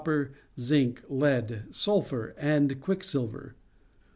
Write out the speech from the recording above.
Peru 21 zinc, lead, sulphur, and quicksilver.